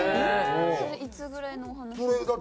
それいつぐらいのお話？